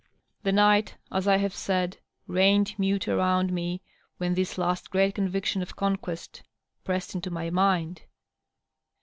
The night, as I have said, reigned mute around me when this last great conviction of conquest pressed into my mind.